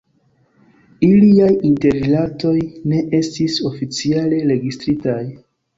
Iliaj interrilatoj ne estis oficiale registritaj.